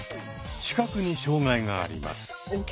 視覚に障がいがあります。